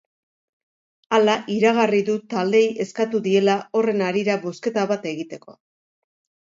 Hala, iragarri du taldeei eskatu diela horren harira bozketa bat egiteko.